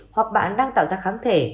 hoặc bạn đang tạo ra kháng thể